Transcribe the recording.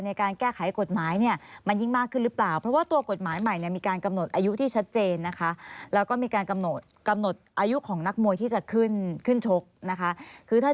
ในการแก้ไขกฎหมายมันยิ่งมากขึ้นหรือเปล่า